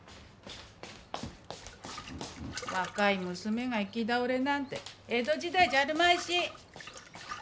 若い娘が行き倒れなんて江戸時代じゃあるまいし！